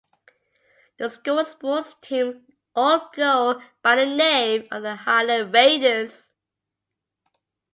The school's sports teams all go by the name of the Highland Raiders.